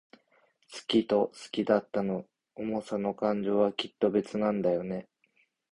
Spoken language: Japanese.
好きと好きだったの想さと感情は、きっと別なんだよね。